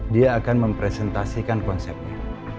dia akan mempresentasikan konsepnya